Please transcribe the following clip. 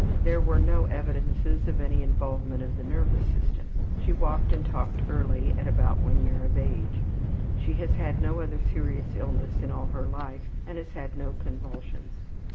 There were no evidences of any involvement of the nervous system. She walked and talked early, at about 1 year of age. She has had no other serious illness in all her life and has had no convulsions.